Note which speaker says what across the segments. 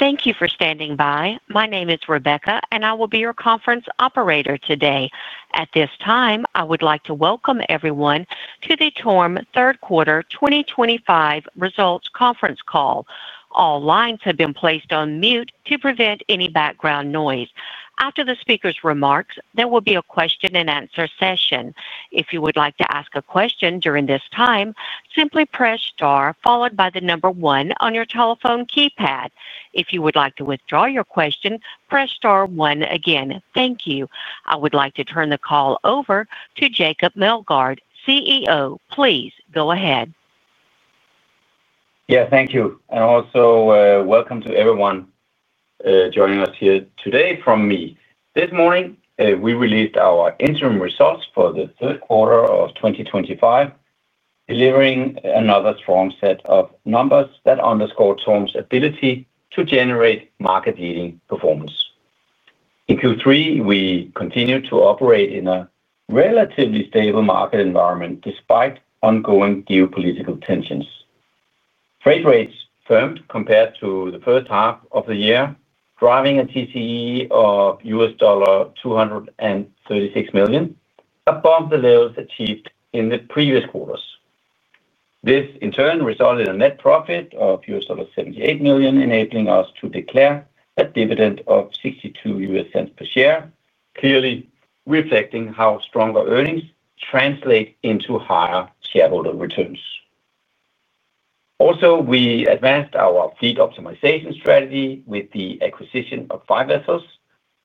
Speaker 1: Thank you for standing by. My name is Rebecca and I will be your conference operator today. At this time I would like to welcome everyone to the TORM third quarter 2025 results conference call. All lines have been placed on mute to prevent any background noise. After the speaker's remarks, there will be a question and answer session. If you would like to ask a question during this time, simply press star followed by the number one on your telephone keypad. If you would like to withdraw your question, press star one again. Thank you. I would like to turn the call over to Jacob Melgaard, CEO. Please go ahead.
Speaker 2: Yeah, thank you. Also, welcome to everyone joining us here today. From me, this morning we released our interim results for the third quarter of 2025, delivering another strong set of numbers that underscore TORM's ability to generate market leading performance in Q3. We continue to operate in a relatively stable market environment despite ongoing geopolitical tensions. Freight rates firmed compared to the first half of the year, driving a TCE of $236 million above the levels achieved in the previous quarters. This in turn resulted in a net profit of $78 million, enabling us to declare a dividend of $0.62 per share, clearly reflecting how stronger earnings translate into higher shareholder returns. Also, we advanced our fleet optimization strategy with the acquisition of five vessels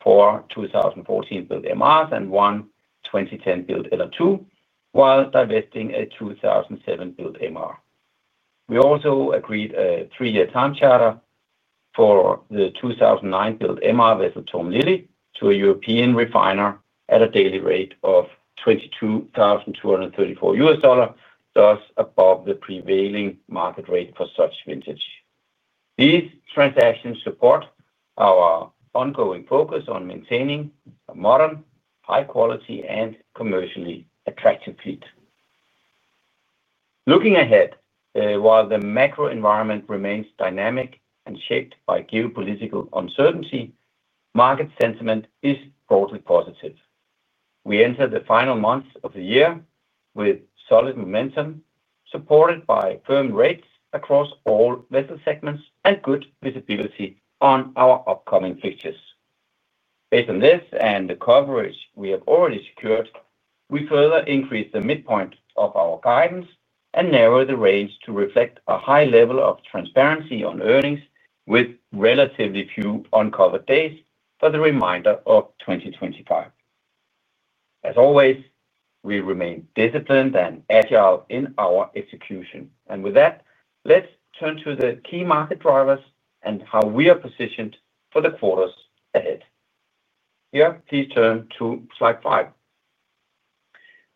Speaker 2: for 2014 built MR and one 2010 built LR2 while divesting a 2007 built MR. We also agreed a three-year time charter for the 2009-built MR vessel Tom Lily to a European refiner at a daily rate of $22,234, thus above the prevailing market rate for such vintage. These transactions support our ongoing focus on maintaining a modern, high-quality, and commercially attractive fleet. Looking ahead, while the macro environment remains dynamic and shaped by geopolitical uncertainty, market sentiment is broadly positive. We enter the final months of the year with solid momentum supported by firm rates across all vessel segments and good visibility on our upcoming fixtures. Based on this and the coverage we have already secured, we further increased the midpoint of our guidance and narrow the range to reflect a high level of transparency on earnings with relatively few uncovered days for the remainder of 2025. As always, we remain disciplined and agile in our execution. With that, let's turn to the key market drivers and how we are positioned for the quarters ahead. Here, please turn to Slide 5.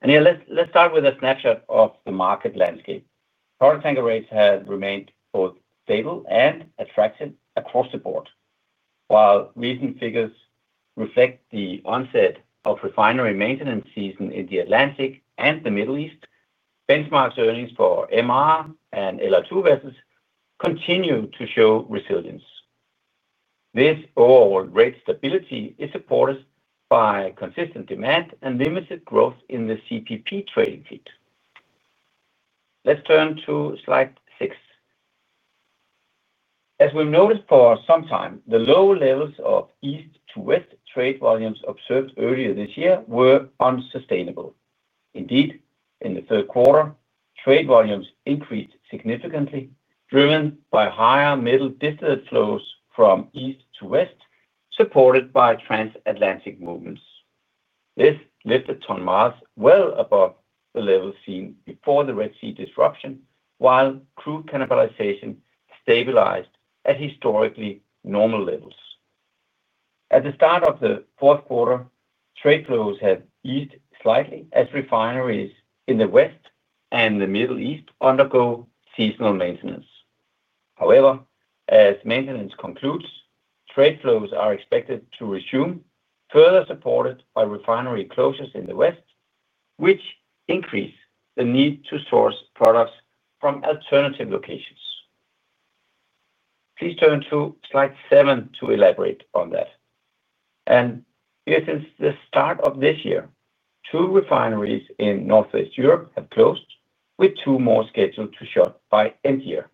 Speaker 2: Here let's start with a snapshot of the market landscape. Product tanker rates have remained both stable and attractive across the board. While recent figures reflect the onset of refinery maintenance season in the Atlantic and the Middle East. Benchmark earnings for MR and LR2 vessels continue to show resilience. This overall rate stability is supported by consistent demand and limited growth in the CPP trading fleet. Let's turn to slide 6. As we've noticed for some time, the low levels of east to west trade volumes observed earlier this year were unsustainable. Indeed, in the third quarter, trade volumes increased significantly, driven by higher middle distillate flows from east to west, supported by transatlantic movements. This lifted ton-miles well above the level seen before the Red Sea disruption. While crude cannibalization stabilized at historically normal levels at the start of the fourth quarter, trade flows have eased slightly as refineries in the West and the Middle East undergo seasonal maintenance. However, as maintenance concludes, trade flows are expected to resume, further supported by refinery closures in the West, which increase the need to source products from alternative locations. Please turn to slide 7 to elaborate on that. Since the start of this year, two refineries in Northwest Europe have closed, with two more scheduled to shut by end year.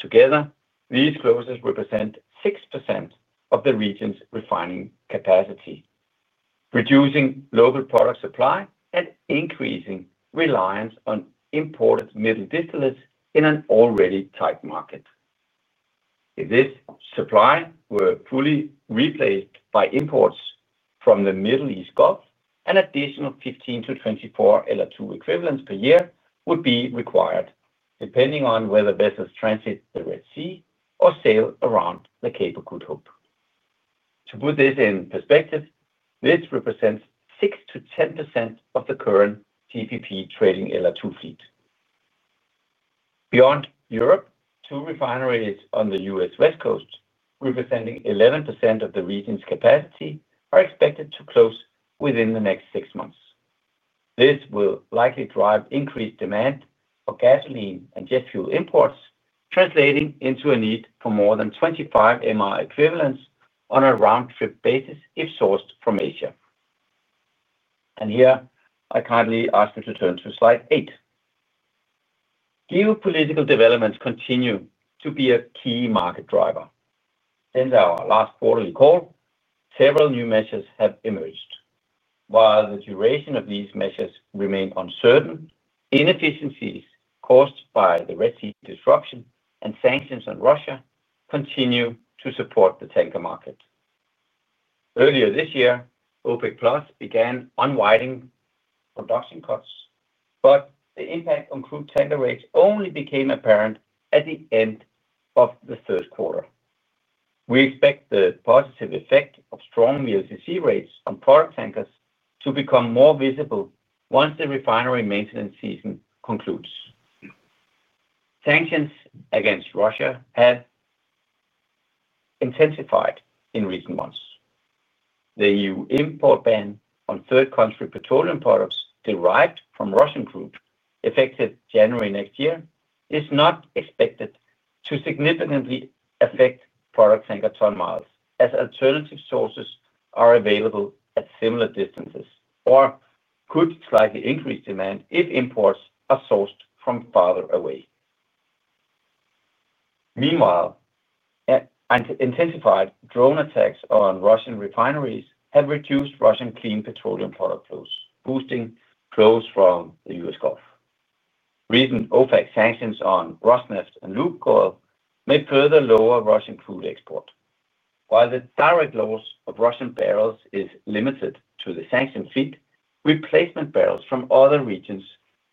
Speaker 2: Together, these closures represent 6% of the region's refining capacity, reducing local product supply and increasing reliance on imported middle distillates in an already tight market. If this supply were fully replaced by imports from the Middle East Gulf, an additional 15-24 LR2 equivalents per year would be required, depending on whether vessels transit the Red Sea or sail around the Cape of Good Hope. To put this in perspective, this represents 6-10% of the current TPP trading LR2 fleet. Beyond Europe, two refineries on the US West Coast, representing 11% of the region's capacity, are expected to close within the next six months. This will likely drive increased demand for gasoline and jet fuel imports, translating into a need for more than 25 MR equivalents on a round trip basis if sourced from Asia. Here I kindly ask you to turn to slide 8. Geopolitical developments continue to be a key market driver. Since our last quarterly call, several new measures have emerged. While the duration of these measures remain uncertain, inefficiencies caused by the Red Sea disruption and sanctions on Russia continue to support the tanker market. Earlier this year, OPEC began unwinding production cuts, but the impact on crude tanker rates only became apparent at the end of the third quarter. We expect the positive effect of strong VLCC rates on product tankers to become more visible once the refinery maintenance season concludes. Sanctions against Russia have intensified in recent months. The EU import ban on third country petroleum products derived from Russian crude effective January next year is not expected to significantly affect product tanker ton-miles as alternative sources are available at similar distances or could slightly increase demand if imports are sourced from farther away. Meanwhile, intensified drone attacks on Russian refineries have reduced Russian clean petroleum product flows, boosting flows from the US Gulf. Recent OFAC sanctions on Rosneft and Lukoil may further lower Russian crude export. While the direct loss of Russian barrels is limited to the sanction feed, replacement barrels from other regions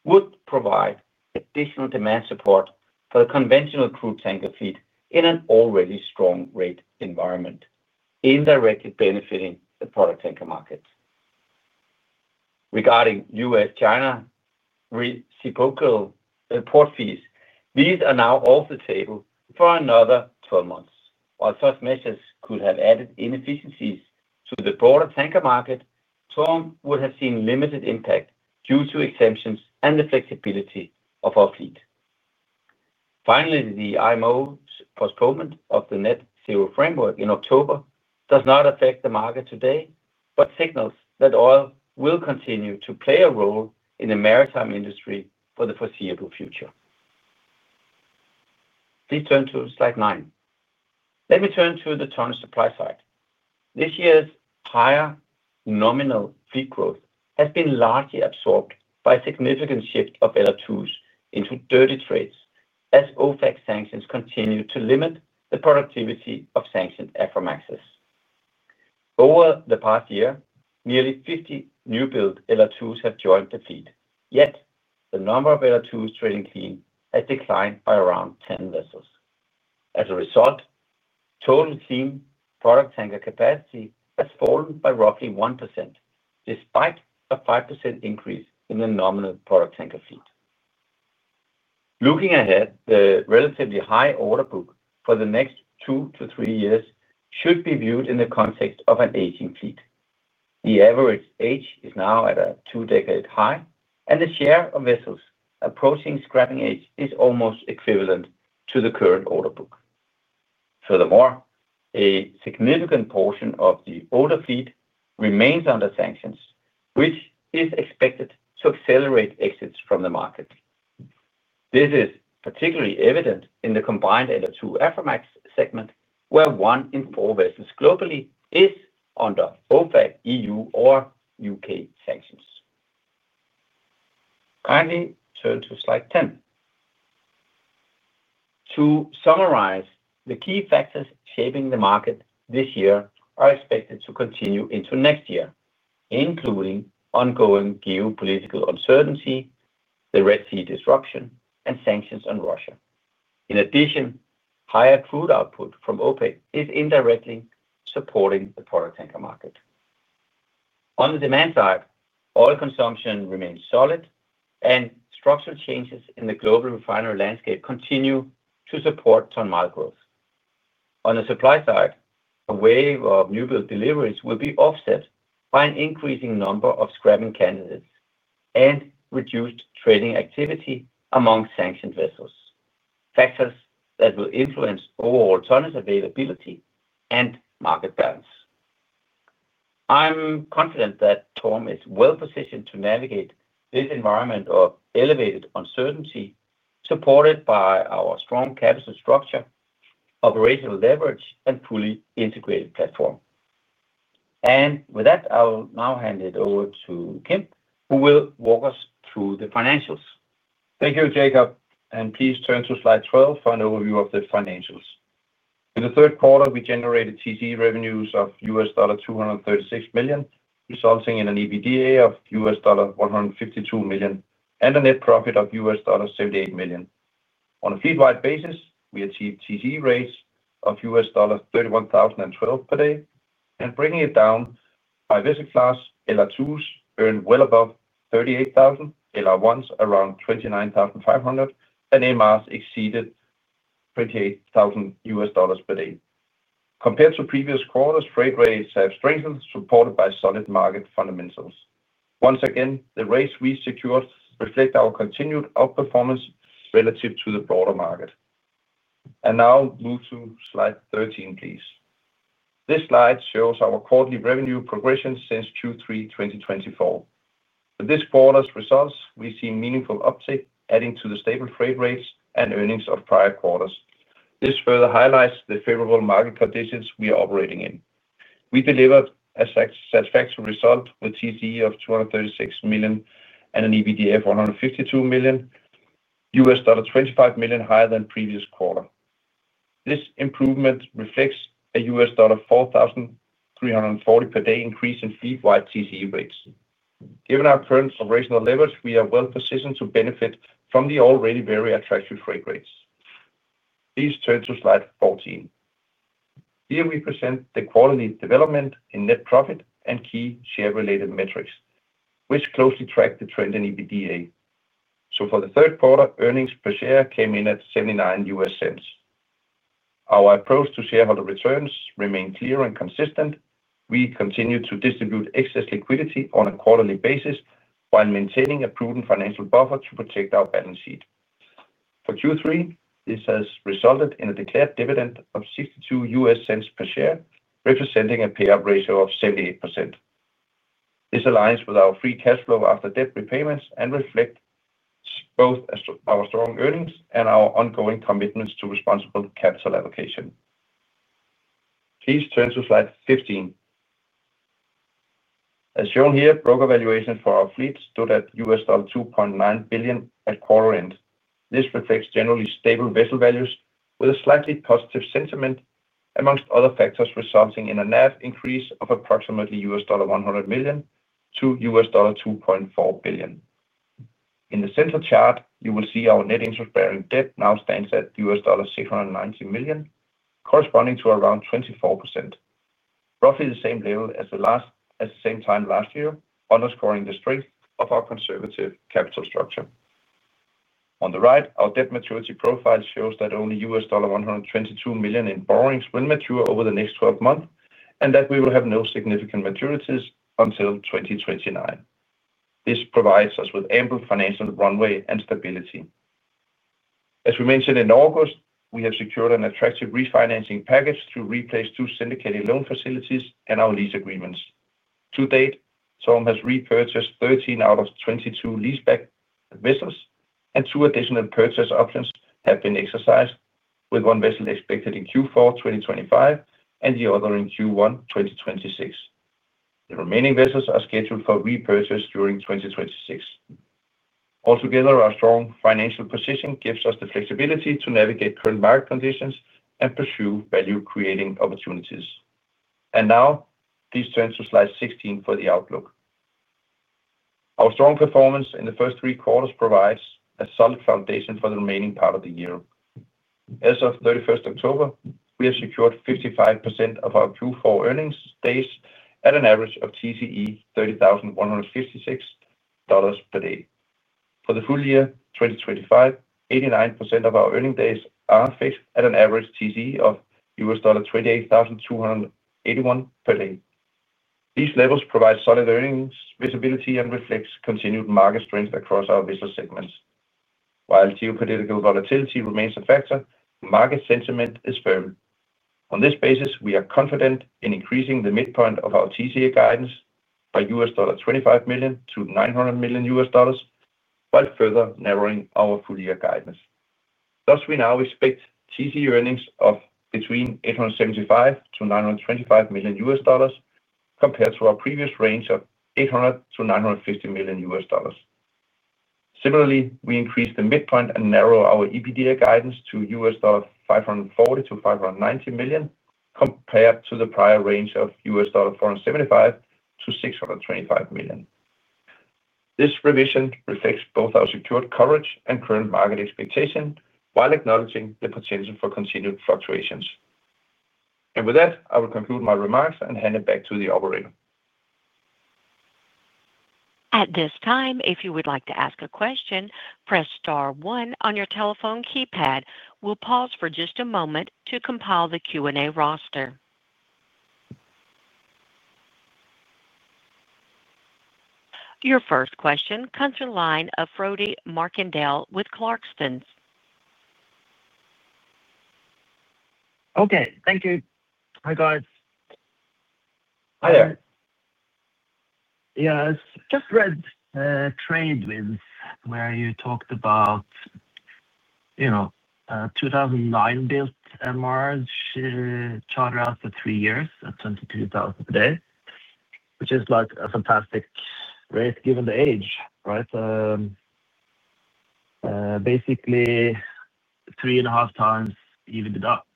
Speaker 2: would provide additional demand support for the conventional crude tanker fleet in an already strong rate environment, indirectly benefiting the product tanker market. Regarding U.S.-China reciprocal port fees, these are now off the table for another 12 months. While such measures could have added inefficiencies to the broader tanker market, TORM would have seen limited impact due to exemptions and the flexibility of our fleet. Finally, the IMO postponement of the Net Zero framework in October does not affect the market today, but signals that oil will continue to play a role in the maritime industry for the foreseeable future. Please turn to Slide 9. Let me turn to the tonnage supply side. This year's higher nominal fee growth has been largely absorbed by significant shift of LR2s into dirty trades as OPEC sanctions continue to limit the productivity of sanctioned Aframaxes. Over the past year, nearly 50 newbuild LR2s have joined the fleet, yet the number of LR2s trading clean has declined by around 10 vessels. As a result, total theme product tanker capacity has fallen by roughly 1% despite a 5% increase in the nominal product tanker fleet. Looking ahead, the relatively high order book for the next two to three years should be viewed in the context of an aging fleet. The average age is now at a two decade high and the share of vessels approaching scrapping age is almost equivalent to the current order book. Furthermore, a significant portion of the order fleet remains under sanctions which is expected to accelerate exits from the market. This is particularly evident in the combined LR2 Aframax segment where one in four vessels globally is under EU or U.K. sanctions. Kindly turn to slide 10. To summarize, the key factors shaping the market this year are expected to continue into next year, including ongoing geopolitical uncertainty, the Red Sea disruption, and sanctions on Russia. In addition, higher crude output from OPEC is indirectly supporting the product tanker market. On the demand side, oil consumption remains solid and structural changes in the global refinery landscape continue to support ton-mile growth. On the supply side, a wave of newbuild deliveries will be offset by an increasing number of scrapping candidates and reduced trading activity among sanctioned vessels, factors that will influence overall alternative availability and market balance. I'm confident that TORM is well positioned to navigate this environment of elevated uncertainty supported by our strong capital structure, operational leverage, and fully integrated platform. With that, I will now hand it over to Kim who will walk us through the financials.
Speaker 3: Thank you Jacob and please turn to slide 12 for an overview of the financials. In the third quarter we generated TCE revenues of $236 million, resulting in an EBITDA of $152 million and a net profit of $78 million. On a fleet wide basis, we achieved TCE rates of $31,012 per day and bringing it down by vessel class. LR2s earned well above $38,000. LR1s around $29,500 and MRs exceeded $28,000 per day. Compared to previous quarters, freight rates have strengthened supported by solid market fundamentals. Once again, the rates we secured reflect our continued outperformance relative to the broader market. Now move to slide 13 please. This slide shows our quarterly revenue progression since Q3 2024. This quarter's results we see meaningful uptick adding to the stable freight rates and earnings of prior quarters. This further highlights the favorable market conditions we are operating in. We delivered a satisfactory result with TCE of $236 million and an EBITDA of $152 million. $25 million higher than previous quarter. This improvement reflects a $4,340 per day increase in fleetwide TCE rates. Given our current operational leverage, we are well positioned to benefit from the already very attractive freight rates. Please turn to Slide 14. Here we present the quarterly development in net profit and key share related metrics which closely track the trend in EBITDA. For the third quarter, earnings per share came in at $0.79. Our approach to shareholder returns remains clear and consistent. We continue to distribute excess liquidity on a quarterly basis while maintaining a prudent financial buffer to protect our balance sheet. For Q3, this has resulted in a declared dividend of $0.62 per share representing a payout ratio of 78%. This aligns with our free cash flow after debt repayments and reflects both our strong earnings and our ongoing commitments to responsible capital allocation. Please turn to Slide 15. As shown here, broker valuation for our fleet stood at $2.9 billion at quarter end. This reflects generally stable vessel values with a slightly positive sentiment among other factors resulting in a NAV increase of approximately $100 million to $2.4 billion. In the center chart you will see our net interest-bearing debt now stands at $690 million corresponding to around 24%, roughly the same level as at the same time last year. Underscoring the strength of our conservative capital structure, on the right, our debt maturity profile shows that only $122 million in borrowings will mature over the next 12 months and that we will have no significant maturities until 2029. This provides us with ample financial runway and stability. As we mentioned in August, we have secured an attractive refinancing package to replace two syndicated loan facilities and our lease agreements. To date, TORM has repurchased 13 out of 22 leaseback vessels and two additional purchase options have been exercised with one vessel expected in Q4 2025 and the other in Q1 2026. The remaining vessels are scheduled for repurchase during 2026. Altogether, our strong financial position gives us the flexibility to navigate current market conditions and pursue value creating opportunities. Please turn to Slide 16 for the outlook. Our strong performance in the first three quarters provides a solid foundation for the remaining part of the year. As of 31st October, we have secured 55% of our Q4 earnings days at an average TCE $30,156 per day. For the full year 2025, 89% of our earning days are fixed at an average TCE of $28,281 per day. These levels provide solid earnings visibility and reflect continued market strength across our business segments. While geopolitical volatility remains a factor, market sentiment is firm. On this basis, we are confident in increasing the midpoint of our TCE guidance by $25 million to $900 million while further narrowing our full year guidance. Thus, we now expect TCE earnings of between $875 million and $925 million compared to our previous range of $800 million-$950 million. Similarly, we increased the midpoint and narrowed our EBITDA guidance to $540 million-$590 million compared to the prior range of $475 million-$625 million. This revision reflects both our secured coverage and current market expectation while acknowledging the potential for continued fluctuations. With that, I will conclude my remarks and hand it back to the operator.
Speaker 1: At this time, if you would like to ask a question, press Star one on your telephone keypad. We'll pause for just a moment to compile the Q and A roster. Your first question comes from the line of Frodi Morkedal with Clarksons.
Speaker 4: Okay, thank you. Hi guys.
Speaker 2: Hi there.
Speaker 4: Yes, just read Trade Wins where you talked about, you know, 2009 built MR charter after three years at $22,000 a day, which is like a fantastic rate given the age.
Speaker 2: Right.
Speaker 4: Basically three and a half times evened it up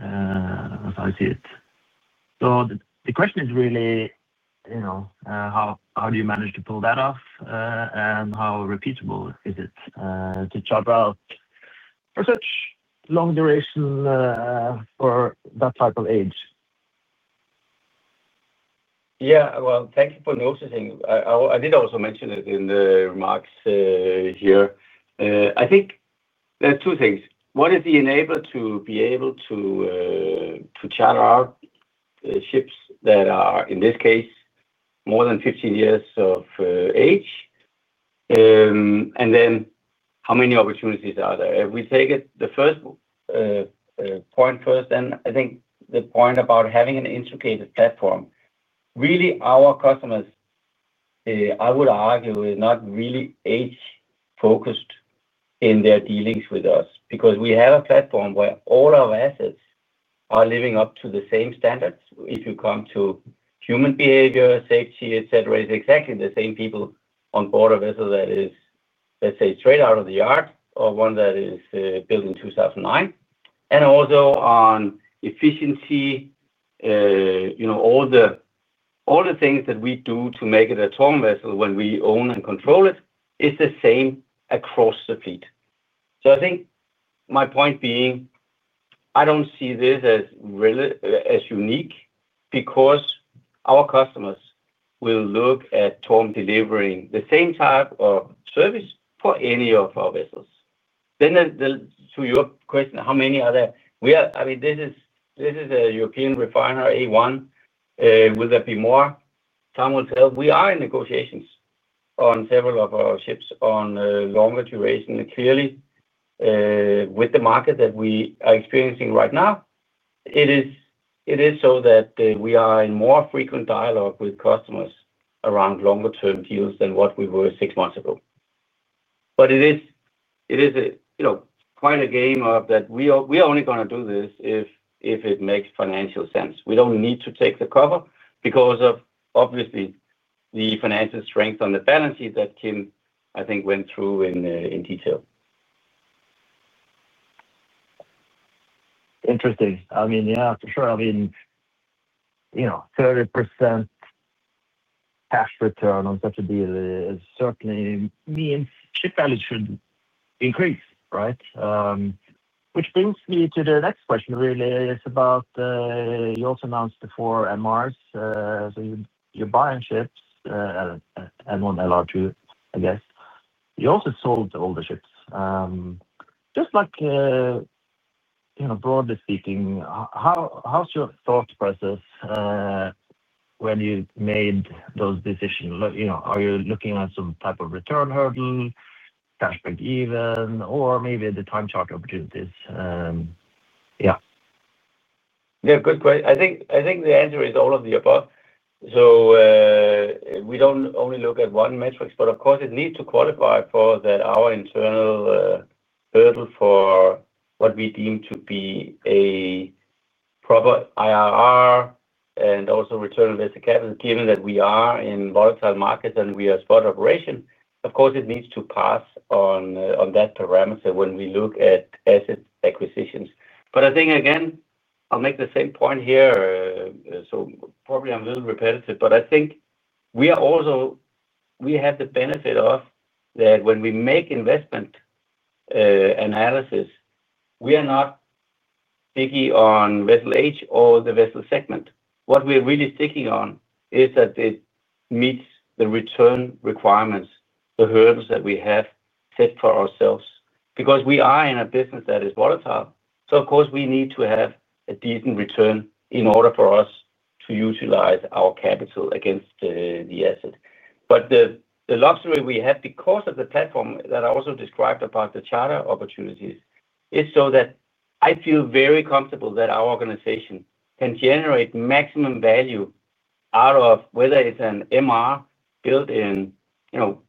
Speaker 4: as I see it. The question is really, you know.
Speaker 2: How do you manage to pull.
Speaker 4: That off and how repeatable is it to chop out for such long duration for that type of.
Speaker 2: Yeah, thank you for noticing. I did also mention it in the remarks here. I think there are two things. One is the enabler to be able to charter out ships that are in this case more than 15 years of age and then how many opportunities are there? We take the first point first and I think the point about having an integrated platform, really our customers, I would argue, are not really age focused in their dealings with us because we have a platform where all our assets are living up to the same standards. If you come to human behavior, safety, etc., it is exactly the same people on board a vessel that is, let's say, straight out of the yard or one that is built in 2009. Also on efficiency, you know, all the things that we do to make it a TORM vessel when we own and control it is the same across the fleet. I think my point being I do not see this as really as unique because our customers will look at TORM delivering the same type of service for any of our vessels. To your question, how many other we are, I mean this is a European refinery. Will there be more? Someone tells we are in negotiations on several of our ships on longer duration. Clearly with the market that we are experiencing right now, it is so that we are in more frequent dialogue with customers around longer term deals than what we were six months ago. It is quite a game of that. We are only going to do this if it makes financial sense. We don't need to take the COVID because of obviously the financial strength on the balance sheet that Kim, I think, went through in detail.
Speaker 4: Interesting. I mean, yeah, for sure. I mean, you know, 30% cash return on such a deal certainly means ship value should increase. Right. Which brings me to the next question really is about you also announced before MR, so you're buying ships and one LR2. I guess you also sold all the ships, just like, you know, broadly speaking.
Speaker 2: How's your thought process?
Speaker 4: When you made those decisions? You know, are you looking at some type of return hurdle, cash breakeven or maybe the time charter opportunities?
Speaker 2: Yeah, yeah, good question. I think the answer is all of the above. We do not only look at one metric, but of course it needs to qualify for that. Our internal hurdle for what we deem to be a proper IRR and also return investor capital, given that we are in volatile markets and we are spot operation. Of course it needs to pass on that parameter when we look at asset acquisitions. I think again I will make the same point here, so probably I am a little repetitive, but I think we are also, we have the benefit of that when we make investment analysis. We are not biggie on vessel age or the vessel segment. What we are really sticking on is that it meets the return requirements, the hurdles that we have set for ourselves because we are in a business that is volatile. Of course we need to have a decent return in order for us to utilize our capital against the asset. The luxury we have because of the platform that I also described about the charter opportunities is so that I feel very comfortable that our organization can generate maximum value out of whether it's an MR built in, you know,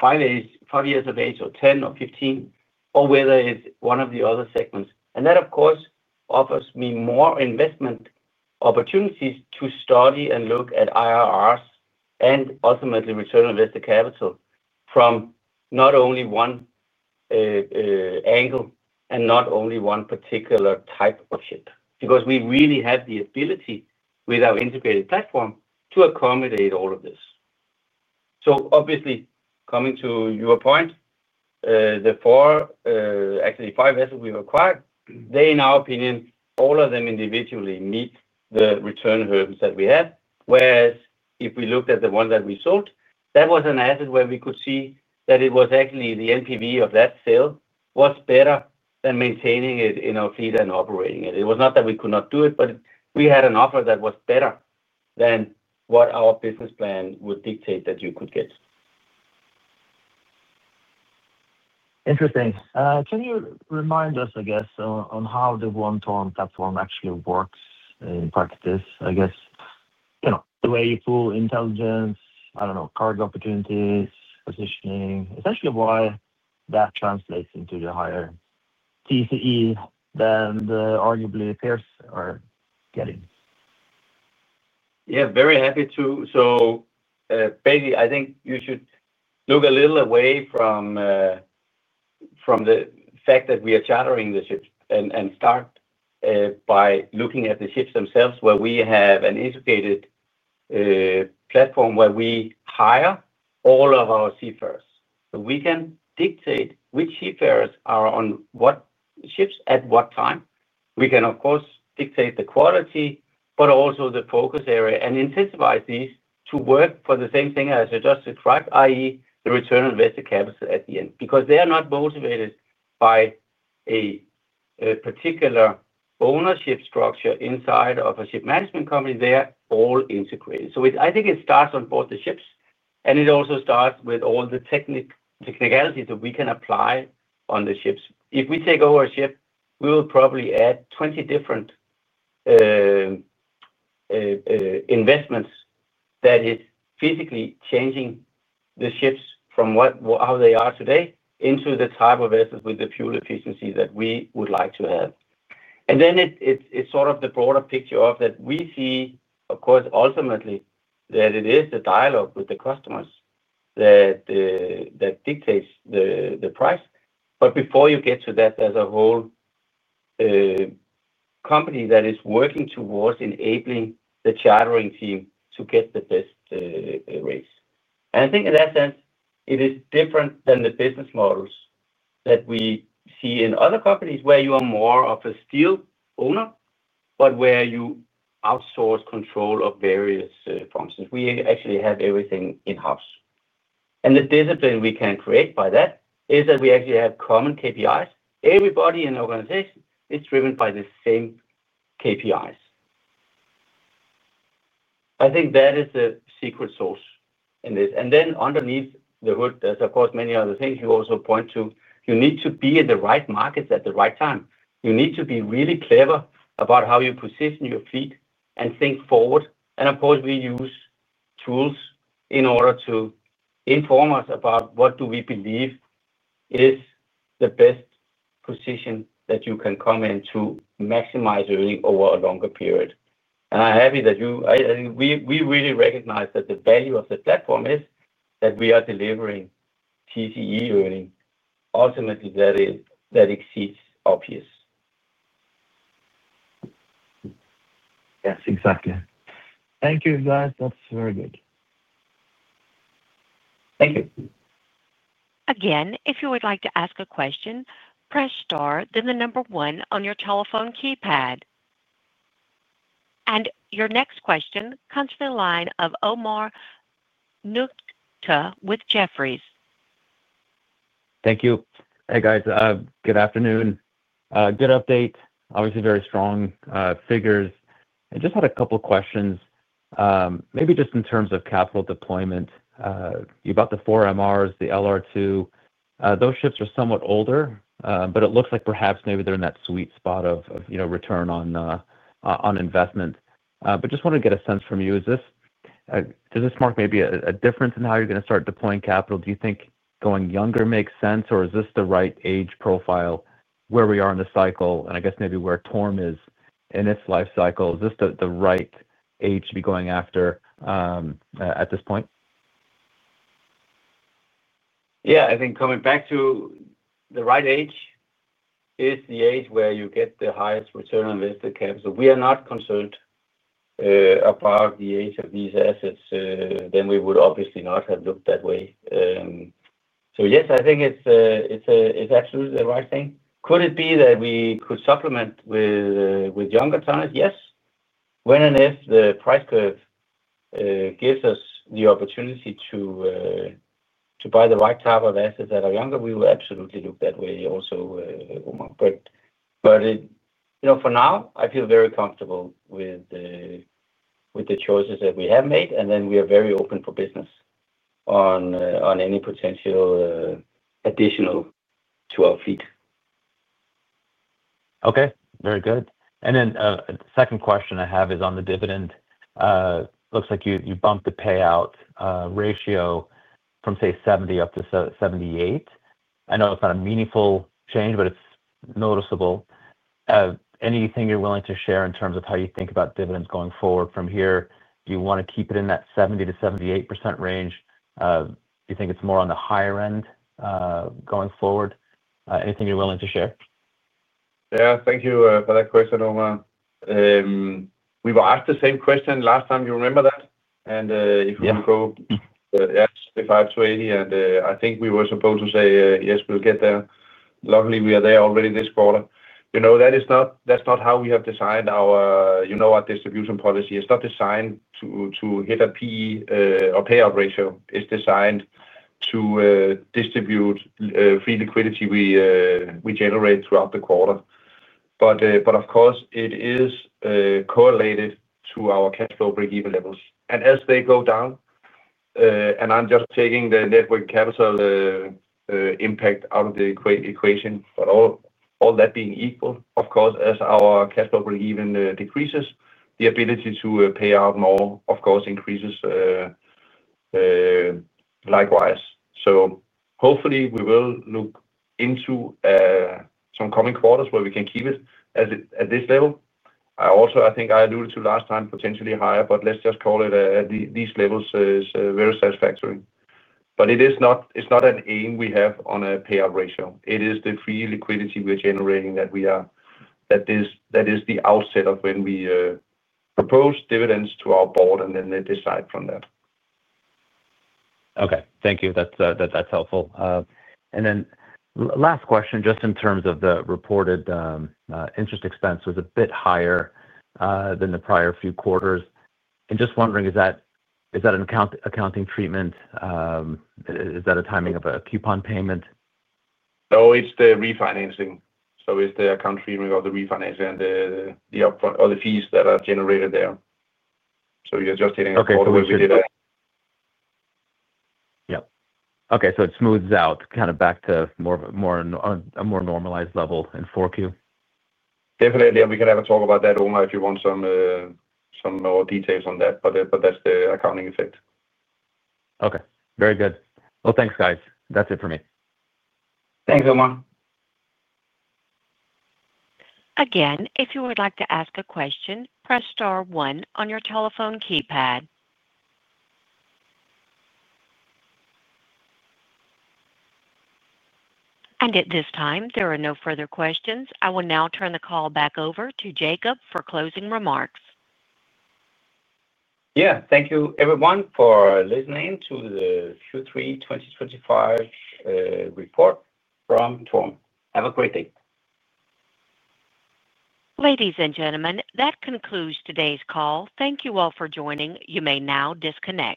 Speaker 2: five years of age or 10 or 15, or whether it's one of the other segments. That of course offers me more investment opportunities to study and look at IRRs and ultimately return invested capital from not only one angle and not only one particular type of ship because we really have the ability with our integrated platform to accommodate all of this. Obviously, coming to your point, the four, actually five vessels we have acquired, they in our opinion all of them individually meet the return hurdles that we have. Whereas if we looked at the one that we sold, that was an asset where we could see that it was actually the NPV of that sale was better than maintaining it in our fleet and operating it. It was not that we could not do it, but we had an offer that was better than what our business plan would dictate that you could get.
Speaker 4: Interesting. Can you remind us, I guess, on how the one TORM platform actually works in practice? I guess, you know, the way you pull intelligence, I don't know, card opportunities, positioning, essentially why that translates into the higher TCE than the arguably peers are getting.
Speaker 2: Yeah, very happy to. Basically, I think you should look a little away from the fact that we are chartering the ships and start by looking at the ships themselves, where we have an integrated platform, where we hire all of our seafarers. We can dictate which seafarers are on what ships at what time. We can, of course, dictate the quality, but also the focus area and incentivize these to work for the same thing as adjusted.
Speaker 3: Right.
Speaker 2: That is the return on invested capital at the end because they are not motivated by a particular ownership structure inside of a ship management company. They are all integrated. I think it starts on both the ships and it also starts with all the technicalities that we can apply on the ships. If we take over a ship, we will probably add 20 different investments that is physically changing the ships from what, how they are today into the type of vessels with the fuel efficiency that we would like to have. It is sort of the broader picture of that. We see, of course, ultimately that it is the dialogue with the customers that dictates the price. Before you get to that, there is a whole company that is working towards enabling the chartering team to get the best rates. I think in that sense it is different than the business models that we see in other companies where you are more of a steel owner, but where you outsource control of various functions. We actually have everything in house. The discipline we can create by that is that we actually have common KPIs. Everybody in the organization is driven by the same KPIs. I think that is the secret sauce in this. Underneath the hood, there are of course many other things you also point to. You need to be in the right markets at the right time. You need to be really clever about how you position your fleet and think forward, think. Of course we use tools in order to inform us about what we believe is the best position that you can come in to maximize earning over a longer period. I'm happy that you, we really recognize that the value of the platform is that we are delivering TCE earning. Ultimately, that is. That exceeds, obviously.
Speaker 4: Yes, exactly. Thank you guys. That's very good.
Speaker 1: Thank you again. If you would like to ask a question, press star, then the number one on your telephone keypad. Your next question comes from the line of Omar Nokta with Jefferies.
Speaker 5: Thank you. Hey guys, good afternoon. Good update. Obviously, very strong figures. I just had a couple questions. Maybe just in terms of capital deployment, you bought the 4 MRs, the LR2. Those ships are somewhat older, but it looks like perhaps maybe they're in that sweet spot of, you know, return on investment but just want to get a sense from you. Does this mark maybe a difference in how you're going to start deploying capital? Do you think going younger makes sense or is this the right age profile where we are in the cycle and I guess maybe where TORM is in its life cycle. Is this the right age to be going after at this point?
Speaker 2: Yeah, I think coming back to the right age is the age where you get the highest return on investor cap. So we are not concerned about the age of these assets, then we would obviously not have looked that way. Yes, I think it's, it's absolutely the right thing. Could it be that we could supplement with younger tonnage? Yes. When and if the price curve gives us the opportunity to buy the right type of assets that are younger, we will absolutely look that way also Omar. But, you know for now I feel very comfortable with the choices that we have made and then we are very open for business on any potential additional to our fleet.
Speaker 5: Okay, very good. The second question I have is on the dividend. Looks like you bumped the payout ratio from, say, 70%-78%. I know it's not a meaningful change, but it's noticeable. Anything you're willing to share in terms of how you think about dividends going forward from here? Do you want to keep it in that 70%-78% range? Do you think it's more on the higher end going forward? Anything you're willing to share?
Speaker 3: Yeah, thank you for that question. We were asked the same question last time, you remember that? If you go yes, the 520 and I think we were supposed to say yes, we'll get there. Luckily we are there already this quarter. You know that is not, that's not how we have designed our, you know our distribution policy is not designed to, to hit a PE or payout ratio. It is designed to distribute free liquidity we generate throughout the quarter. But of course it is correlated to our cash flow break even levels and as they go down and I'm just taking the net working capital impact out of the equation but all, all that being equal, of course, as our cash flow break even decreases the ability to pay out more, of course, increases likewise. Hopefully we will look into some coming quarters where we can keep it as at this level. I also, I think I alluded to last time potentially higher, but let's just call it these levels is very satisfactory, but it is not, it's not an aim we have on a payout ratio. It is the free liquidity we're generating that we are. That is the outset of when we propose dividends to our board and then they decide from there.
Speaker 5: Okay, thank you. That's helpful. Last question, just in terms of the reported interest expense, it was a bit higher than the prior few quarters. Just wondering, is that an accounting treatment? Is that a timing of a coupon payment?
Speaker 3: No, it's the refinancing. It's the account treatment of the refinancing and the upfront or the fees that are generated there. You're just hitting.
Speaker 5: Yep. Okay. It smooths out kind of back to more, more a more normalized level in 4Q.
Speaker 2: Definitely. We can have a talk about that, Omar, if you want some more details on that. But That's the accounting effect.
Speaker 5: Okay, very good. Thanks, guys. That's it for me.
Speaker 2: Thanks, Omar.
Speaker 1: Again, if you would like to ask a question, press star one on your telephone keypad. At this time, there are no further questions. I will now turn the call back over to Jacob for closing remarks.
Speaker 2: Yeah. Thank you, everyone, for listening to the Q3 2025 report from TORM. Have a great day.
Speaker 1: Ladies and gentlemen, that concludes today's call. Thank you all for joining. You may now disconnect.